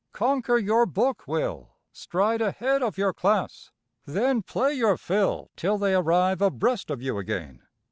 Conquer your book, Will, stride ahead of your class, then play your fill till they arrive abreast of you again.